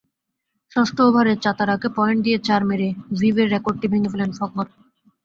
ষষ্ঠ ওভারে চাতারাকে পয়েন্ট দিয়ে চার মেরে ভিভের রেকর্ডটি ভেঙে ফেলেন ফখর।